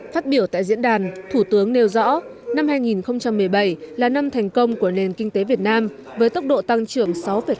phát biểu tại diễn đàn thủ tướng nêu rõ năm hai nghìn một mươi bảy là năm thành công của nền kinh tế việt nam với tốc độ tăng trưởng sáu tám